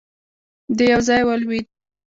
دی يو ځای ولوېد.